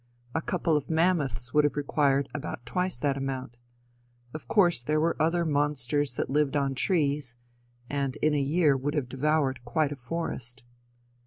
A couple of mammoths would have required about twice that amount. Of course there were other monsters that lived on trees; and in a year would have devoured quite a forest.